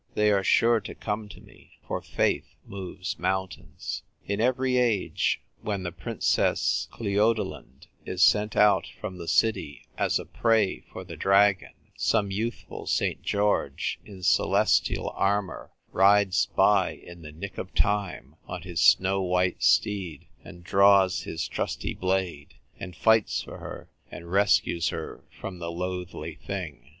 They are sure to come to me ; for faith moves mountains. In every age, when the Princess Cleodolind is sent out from the city as a prey for the dragon, some youthful St. George, in celestial armour, rides by in the nick of time, on his snow white steed, and draws his trusty blade, and fights for her, and rescues her from the loathly thing.